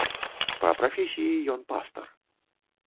Па прафесіі ён пастар.